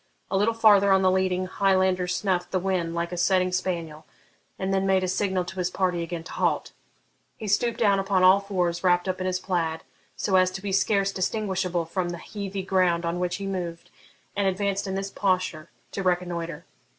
A little farther on the leading Highlander snuffed the wind like a setting spaniel, and then made a signal to his party again to halt. He stooped down upon all fours, wrapped up in his plaid, so as to be scarce distinguishable from the heathy ground on which he moved, and advanced in this posture to reconnoitre.